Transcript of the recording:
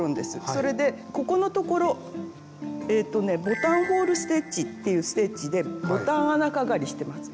それでここのところボタンホールステッチっていうステッチでボタン穴かがりしてます。